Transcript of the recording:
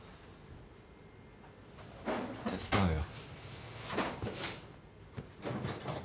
手伝うよ。